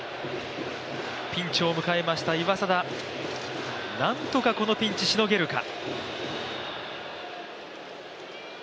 ピンチを迎えました岩貞、なんとかこのピンチしのげるか。